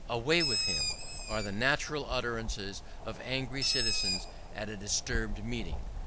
"Away with him!" are the natural utterances of angry citizens at a disturbed meeting.